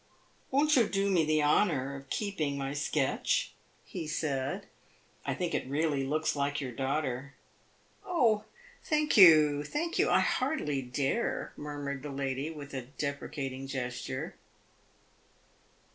"Won't you do me the honor of keeping my sketch?" he said. "I think it really looks like your daughter." "Oh, thank you, thank you; I hardly dare," murmured the lady, with a deprecating gesture.